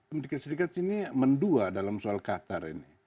amerika serikat ini mendua dalam soal qatar ini